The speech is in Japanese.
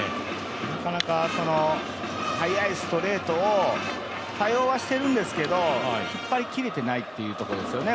なかなか、速いストレートを対応はしているんですけど使い切れていないということですよね。